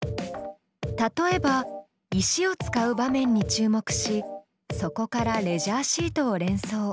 例えば石を使う場面に注目しそこからレジャーシートを連想。